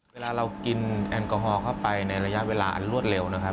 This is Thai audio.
เวลาเรากินแอลกอฮอลเข้าไปในระยะเวลาอันรวดเร็วนะครับ